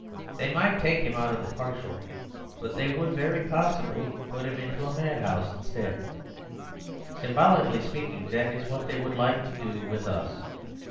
They might take him out of the parcel; but they would very possibly put him into a mad house instead. Symbolically speaking, that is what they would like to do with us.